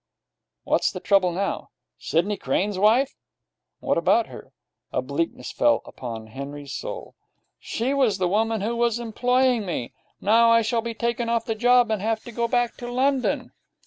'What's the trouble now?' 'Sidney Crane's wife?' 'What about her?' A bleakness fell upon Henry's soul. 'She was the woman who was employing me. Now I shall be taken off the job and have to go back to London.'